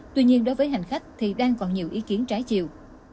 tuy nhiên đối với hành khách thì đang còn nhiều ý kiến trái chiều